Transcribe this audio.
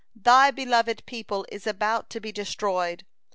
Thy beloved people is about to be destroyed.